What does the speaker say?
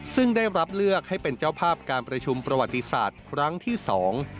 ซึ่งได้รับเลือกให้เป็นเจ้าภาพการประชุมประวัติศาสตร์ครั้งที่สอง